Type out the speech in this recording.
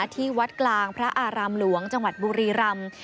ที่วัดกลางพระอารามหลวงจังหวัดบุรีรำ